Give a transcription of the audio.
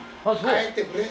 帰ってくれ。